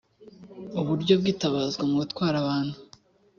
uburyo bwitabazwa mu gutwara abantu